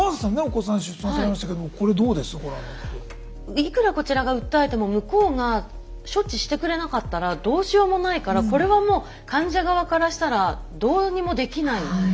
いくらこちらが訴えても向こうが処置してくれなかったらどうしようもないからこれはもう患者側からしたらどうにもできない。